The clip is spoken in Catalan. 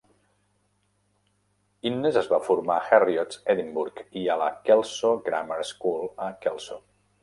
Innes es va formar a Heriot's, Edimburg, i a la Kelso Grammar School, a Kelso.